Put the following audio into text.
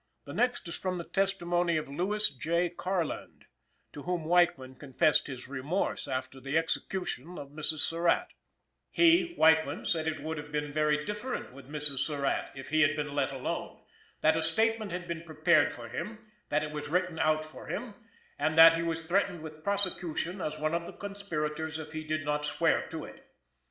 The next is from the testimony of Lewis J. Carland, to whom Weichman confessed his remorse after the execution of Mrs. Surratt: "He [Weichman] said it would have been very different with Mrs. Surratt if he had been let alone; that a statement had been prepared for him, that it was written out for him, and that he was threatened with prosecution as one of the conspirators if he did not swear to it.